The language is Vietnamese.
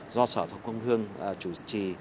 do sở thục công thương chủ trì